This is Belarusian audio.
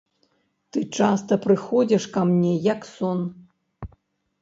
Ты часта прыходзіш ка мне, як сон.